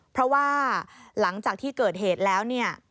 เพราะว่าหลังจากที่เกิดเหตุแล้วเนี่ย